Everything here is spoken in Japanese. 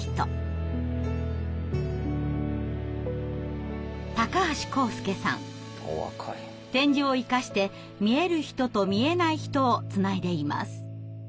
点字を生かして見える人と見えない人をつないでいます。